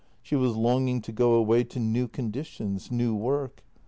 She was longing to go away to new conditions, new work.